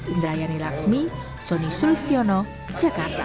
indra yanni laksmi soni sulistiono jakarta